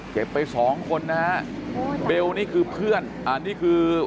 ไปสองคนนะฮะเบลนี่คือเพื่อนอ่านี่คือ